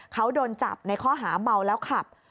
เขาโดนจับในข้อหาเมาแล้วขับ